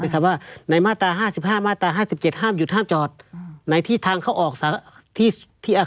เพราะฉะนั้นเป็นสิ่งที่คุณคิดไปเอง